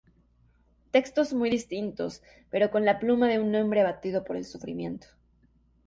Textos muy distintos, pero con la pluma de un hombre abatido por el sufrimiento.